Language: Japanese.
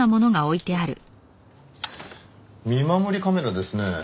見守りカメラですね。